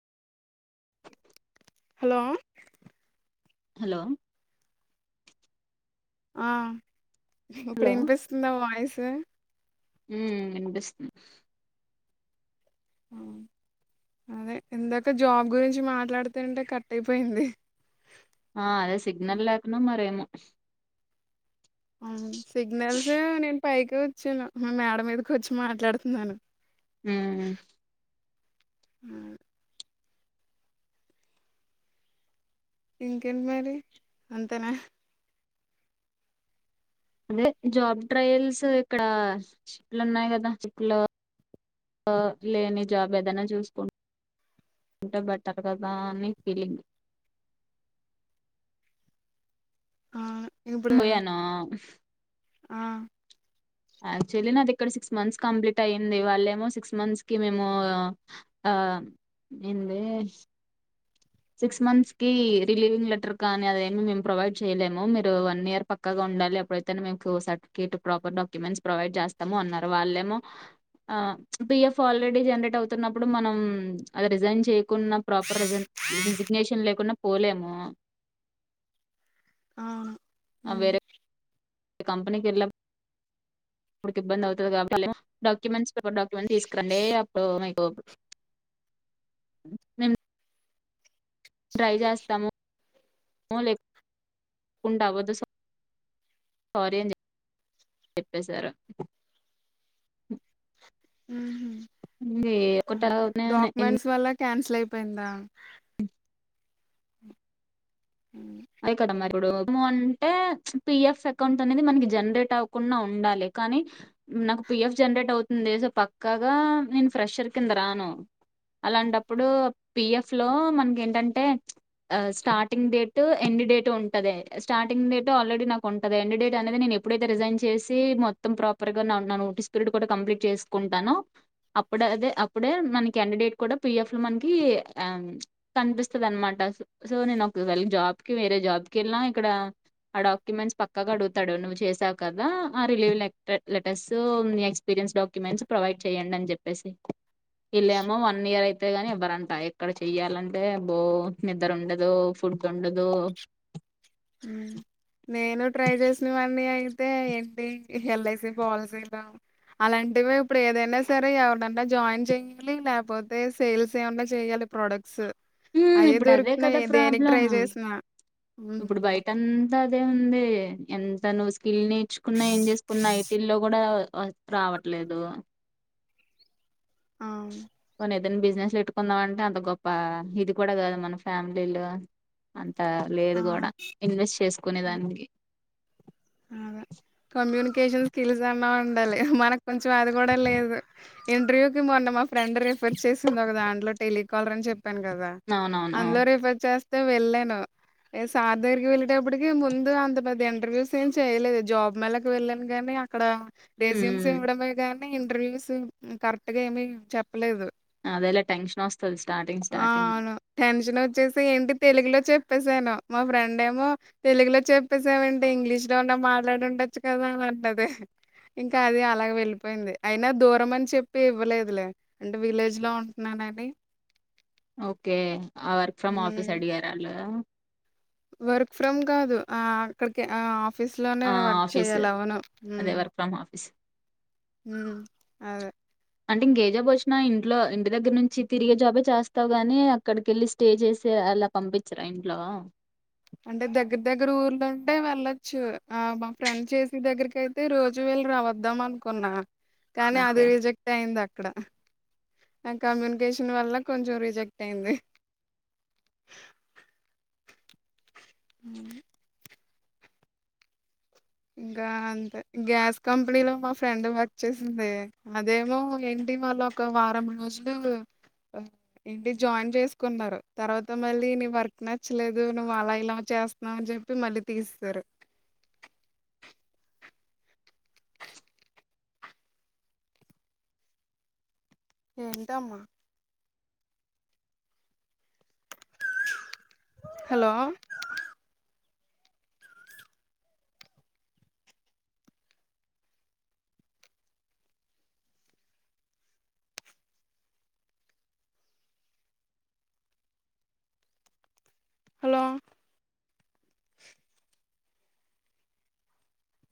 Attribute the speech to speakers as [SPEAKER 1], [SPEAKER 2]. [SPEAKER 1] Hello
[SPEAKER 2] hello
[SPEAKER 1] ఆ ఇప్పుడు వినిపిస్తుందా వాయిస్ మ్
[SPEAKER 2] ఉమ్ వినిపిస్తుంది
[SPEAKER 1] ఆ అదే ఇందాక జాబ్ గురించి మాట్లాడుతుంటే కట్ అయిపోయింది
[SPEAKER 2] ఆ అదే సిగ్నల్ లేకనో మరేమో
[SPEAKER 1] అవును సిగ్నల్సే నేను పైకి వచ్చినా మా మేడ మీదకొచ్చి మాట్లాడుతున్నాను
[SPEAKER 2] మ్మ్
[SPEAKER 1] ఊ ఇంకేంటి మరి అంతేనా
[SPEAKER 2] అదే జాబ్ ట్రయల్స్ ఇక్కడ షిఫ్ట్లున్నాయి కదా షిఫ్ట్ లు [unintelligible] లేని జాబ్ ఏదైనా చూసుకు [unintelligible] టే బెటర్ ట్టగదా అని ఫీలింగ్
[SPEAKER 1] [unintelligible]
[SPEAKER 2] మ్ పొయ్యానా
[SPEAKER 1] ఆ
[SPEAKER 2] యాక్చువల్లీ నాది ఇక్కడ సిక్స్ మంత్స్ కంప్లీట్ అయ్యింది వాళ్ళేమో సిక్స్ మంత్స్ కి మేము ఆ ఏంది సిక్స్ మంత్స్ కి రిలీవింగ్ లెటర్ కానీ అదేమీ మేము ప్రొవైడ్ చెయ్ లేము మీరు వన్ ఇయర్ పక్కాగా ఉండాలి అప్పుడైతే మీకు సర్టిఫికేట్ ప్రాపర్ డాక్యుమెంట్స్ ప్రొవైడ్ చేస్తాము అన్నారు వాళ్ళేమో పి ఎఫ్ ఆల్రెడీ జనరేట్ అవుతున్నప్పుడు మనం అది రిజైన్ చేయకున్న ప్రాపర్ రిజైన్ రిజిగ్నేషన్ లేకుండా పోలేము
[SPEAKER 1] ఆ
[SPEAKER 2] ఆ
[SPEAKER 1] ఉమ్
[SPEAKER 2] వేరే కంపెనీకి వెళ్నప్ ప్పుడికి ఇబ్బందౌతది కాబ [unintelligible] డాక్యుమెంట్స్ పేపర్ డాక్యుమెంట్ తీసుకురండి అప్పుడు మీకు మెం ట్రై చేస్తాము లేక్ [unintelligible] ట అవ్వదు సారీ అని చెప్పేశారు.
[SPEAKER 1] ఉహుం,
[SPEAKER 2] ఎ [unintelligible] ఒకటి [unintelligible] ఇన్
[SPEAKER 1] ట్లైపోయిందా ఉమ్,
[SPEAKER 2] ఐపోడా మరి. ఇప్పుడు మీరు అంటే పి ఎఫ్ అకౌంట్ అనేది మనకి జనరేట్ అవ్వకుండా ఉండాలి కానీ నాకు పి ఎఫ్ జనరేట్ అవుతుంది సో పక్కగా నేను ఫ్రెషర్ కింద రాను అలాంటప్పుడు పి ఎఫ్ లో మనకి ఏంటంటే స్టార్టింగ్ డేట్. ట్ ఎండ్ డేట్ ఉంటది స్టార్టింగ్ డేట్ ఆల్రెడీ నాకు ఉంటంది ఎండ్ డేట్ అనేది నేను ఎప్పుడైతే రిజైన్ చేసి మొత్తం ప్రాపర్ గా నా నోటీస్ పీరియడ్ కూడా కంప్లీట్ చేసుకుంటానో అప్పుడే అదే అప్పుడే మనకి ఎండ్ డేట్ కూడా పి ఎఫ్ లో మనకి ఆం కనిపిస్తుది అనమాట సో నేనొకవేళ జాబ్. కి వేరే జాబ్ కి వెళ్ళినా ఇక్కడ ఆ డాక్యుమెంట్స్ పక్కగా అడుగుతాడు నువ్వు చేసావు కదా ఆ relieve letters experience documents provide చెయ్యండి అని చెప్పేసి. ఈల్లేమో వన్ ఇయర్ తే గాని ఇవ్వరంటా ఇక్కడ చెయాలంటే బో నిద్దరుండదు ఫుడ్ ఉండ దు
[SPEAKER 1] ఉమ్ నేను ట్రై చేసినవన్నీ అయితే ఏంటి ఎల్ ఐ సి పాలసీలు అలాంటివి ఇప్పుడు ఏదైనా సరే ఎవరినన్నా జాయిన్ చెయ్యాలి లేకపోతే సేల్స్ ఏమన్న చెయ్యాలి ప్రోడక్ట్స్.
[SPEAKER 2] ఉమ్,
[SPEAKER 1] అయ్యే
[SPEAKER 2] ఇప్పుడు అదే
[SPEAKER 1] దొరుకుతున్నాయి
[SPEAKER 2] కదా
[SPEAKER 1] దేనికి ట్రై చేసినా ఉమ్
[SPEAKER 2] టంతా అదే ఉంది ఎంత నువ్వు. స్కిల్ నేర్చుకున్నా ఏం చేసుకున్న ఐ టీ ల్లో కూడా. వర్క్ రావట్లేదు.
[SPEAKER 1] అవును
[SPEAKER 2] పోనీ ఏదైనా బిజినెస్ పెట్టుకుందాంమటే అంత గొప్ప ఇది కూడా కాదు మన ఫ్యామిలీలో అన్ త లేదు కూడా
[SPEAKER 1] అవును
[SPEAKER 2] ఇన్వెస్ట్ చేసుకునే
[SPEAKER 1] ఉమ్,
[SPEAKER 2] దానికి.
[SPEAKER 1] కేజూస్ స్కిలుసన్నా ఉండాలి మనకు కొంచెం అది కూడా లేదు ఇంటర్వ్యూకి మొన్న మా ఫ్రెండ్ రిఫర్ చేసింది ఒక దాంట్లో టెలీకాలర్ అని చెప్ ప్పాను కదా
[SPEAKER 2] అవునవును
[SPEAKER 1] అందులో రిఫర్ చేస్ తే వెళ్ళాను ఏ సార్ దగరికి వెళ్ళేటప్పటికి ముందు అంత పెద్ద ఇంటర్వ్యూస్. ఏమ్ చేయలేదు జాబ్ మేళకి వెళ్ళాను కాగానీ అక్కడ. రెస్యూమ్స్
[SPEAKER 2] ఉమ్
[SPEAKER 1] ఇవ్వడమే గానీ. ఇంటర్వ్యూస్ కరెక్ట్ గా ఏమి చెప్పలేదు.
[SPEAKER 2] అదెలె టెన్షన్ వస్త.
[SPEAKER 1] ఆ అవును టెన్షన్ వచ్చేసి ఏంటి తెలుగులో చెప్పేసి. ను మా ఫ్రెండ్ ఏమో తెలుగులో చెప్పేసావేంటే ఇంగ్లీష్ లో ఉన్న మాట్లాడుండొచ్చు కదా అని అన్నది ఇంకా అది అలా వెళ్ళిపోయింది అయినా దూరం అని చెప్పి ఇవ్వలేదులే అంటే విలేజ్ లో ఉంటున్నానని.
[SPEAKER 2] ఓకే. ఆ వర్క్ ఫ్రమ్ ఆఫీస్
[SPEAKER 1] ఉమ్.
[SPEAKER 2] అడిగారా వాళ్ళు.
[SPEAKER 1] వర్క్ ఫ్రమ్ కాదు ఆ అక్కడికి ఆ. ఆఫీస్లోనే
[SPEAKER 2] ఆ
[SPEAKER 1] వర్క్
[SPEAKER 2] ఆఫీస్
[SPEAKER 1] చేయాలి అవును.
[SPEAKER 2] అదే వర్క్ ఫ్రమ్ ఆఫీస్
[SPEAKER 1] ఉ అదే.
[SPEAKER 2] అంటే ఇంకే జాబ్ వచ్చినా ఇంట్లో ఇంటి దగ్గర నుంచి తిరిగే జాబే చేస్తావు గాని అక్కడికేళ్ళి స్టే చేసే అలా పంపించరా ఇంట్లో.
[SPEAKER 1] అంటే దగ్గర దగ్గర ఊర్ళ ఉంటే వెళ్ళొచ్చు ఆ మా ఫ్రెండ్ చేసి దగ్గరకి అయితే రోజు వెళ్ళి రా వద్దాం అనుకున్నా. కానీ
[SPEAKER 2] ఓకే.
[SPEAKER 1] అది రిజెక్ట్ అయింది. ఆక్కడ నా కమ్యూనికేషన్ వల్ల కొంచెం రిజెక్ట్ అయింది. మ ఇంకా అంతే గ్యాస్ కంపెనీలో మా ఫ్రెండ్ వర్క్ చేసింది అదేమో ఏంటి వాళ్ళ ఒక వారం రోజులు ఏంటి జాయిన్ చేసుకున్నారు తర్వాత మళ్ళీ నీ వర్క్ నచ్చలేదు నువ్వు అలా ఇలా చేస్తున్నావు అని చెప్పి మళ్ళీ తీస్తారు ఏంటామ్మా హలో హలో